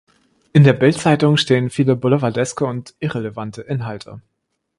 In der Bildzeitung stehen viele boulevardeske und irrelevante Inhalte.